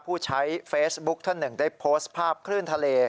ผู้ใช้เฟซบุ๊คท่านหนึ่งได้โพสต์ภาพคลื่นทะเล